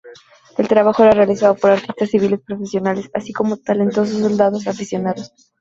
El trabajo era realizado por artistas civiles profesionales, así como talentosos soldados aficionados.